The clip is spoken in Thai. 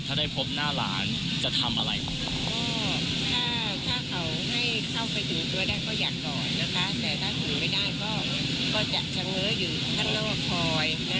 ไปทำให้เขาแบบเก็บจากเขาอะไรอยู่ค่ะให้ร้านเราออกเก็บเก็บทุกคนนะคะ